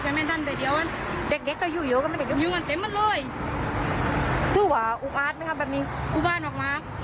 อุกอาจมาก